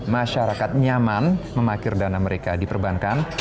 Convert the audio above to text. masyarakat nyaman memakil dana mereka diperbankan